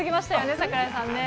桜井さんね。